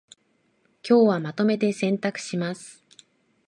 今日はまとめて洗濯します